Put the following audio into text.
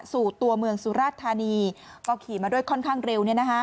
ตัวเมืองสุราชธานีก็ขี่มาด้วยค่อนข้างเร็ว